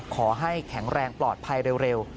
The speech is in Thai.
ขอให้แข็งแรงปลอดภัยเร็ว